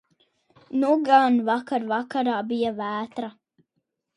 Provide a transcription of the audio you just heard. Nu gan vakar vakarā bija vētra.